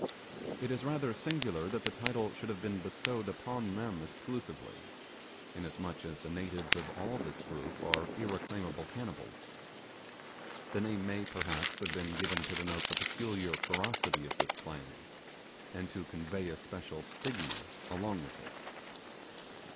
It is rather singular that the title should have been bestowed upon them exclusively, inasmuch as the natives of all this group are irreclaimable cannibals. The name may, perhaps, have been given to denote the peculiar ferocity of this clan, and to convey a special stigma along with it.